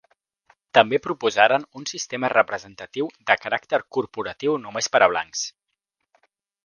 També proposaren un sistema representatiu de caràcter corporatiu només per a blancs.